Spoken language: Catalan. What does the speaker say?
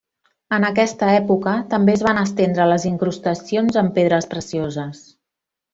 En aquesta època, també es van estendre les incrustacions en pedres precioses.